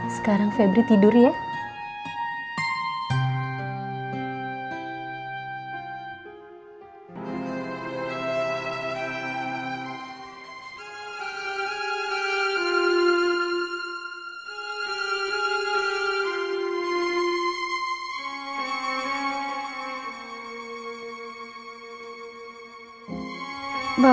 sekarang febri tidur ya